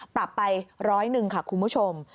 ปรับไปร้อยหนึ่งค่ะคุณผู้ชม